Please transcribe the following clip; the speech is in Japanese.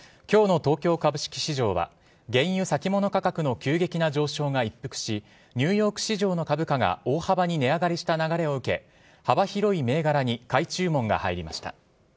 今日の東京株式市場は原油先物価格の急激な上昇が一服しニューヨーク市場の株価が大幅に値上がりした流れを受け幅広い銘柄に買い注文が入りました。